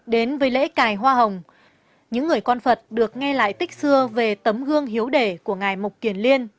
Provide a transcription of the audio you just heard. đến với lễ cài hoa hồng những người con phật được nghe lại tích xưa về tấm gương hiếu đề của ngài mục kiển liên